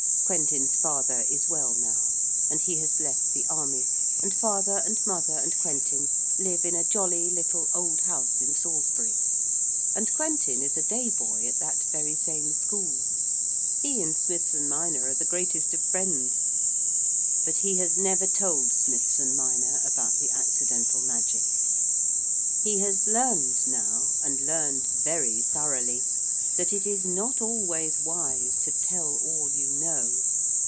Quentin's father is well now, and he has left the army, and father and mother and Quentin live in a jolly, little, old house in Salisbury, and Quentin is a 'day boy' at that very same school. He and Smithson minor are the greatest of friends. But he has never told Smithson minor about the accidental magic. He has learned now, and learned very thoroughly, that it is not always wise to tell all you know.